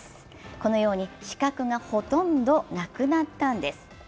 このように死角がほとんどなくなったんです。